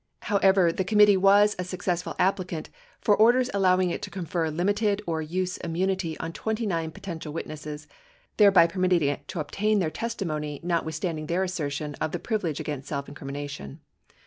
However, the committee was a successful applicant for orders allowing it to confer limited or use immunity on 29 potential wit nesses, thereby permitting it to obtain their testimony notwithstand ing their assertion of the privilege, against self incrimination.